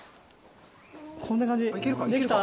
こんな感じできた？